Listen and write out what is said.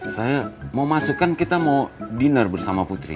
saya mau masuk kan kita mau dinner bersama putri